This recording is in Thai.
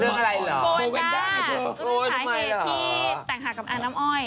โบราณได้ก็ถึงถ่ายเหตุผิดแต่งขาดกับอันน้ำอ้อย